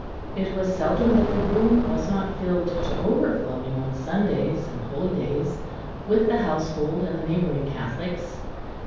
It was seldom that the room was not filled to over flowing on Sundays and holy days with the household and the neighbouring Catholics.